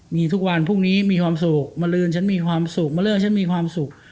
มีทุกวันพรุ่งนี้มีความสุขมาลืนฉันมีความสุขมาเลิกฉันมีความสุข